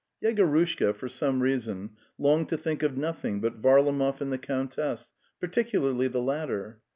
Yegorushka, for some reason, longed to think of nothing but Varlamov and the countess, particularly the latter.